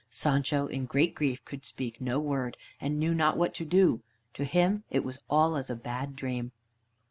Sancho, in great grief, could speak no word, and knew not what to do; to him it was all as a bad dream.